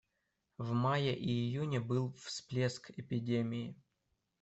В мае и июне был всплеск эпидемии.